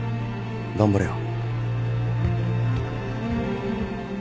頑張れよ。